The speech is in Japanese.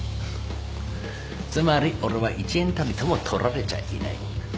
つまり俺は１円たりとも取られちゃいない。